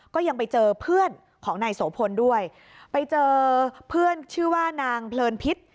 ก็ยังไปเจอเพื่อนของนายโสพลด้วยไปเจอเพื่อนชื่อว่านางเพลินพิษ